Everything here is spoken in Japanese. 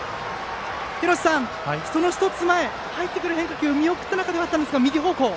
廣瀬さん、この１つ前入ってきた変化球を見送った中ではあったんですが右方向。